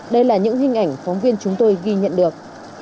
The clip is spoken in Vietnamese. đây là những hình ảnh phóng viên chúng tôi ghi nhận được